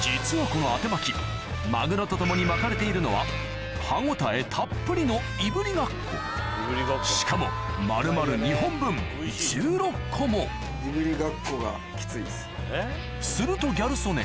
実はこのアテ巻きマグロと共に巻かれているのは歯応えたっぷりのいぶりがっこしかも丸々２本分１６個もするとギャル曽根